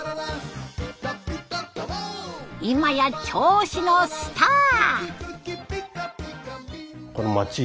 今や銚子のスター！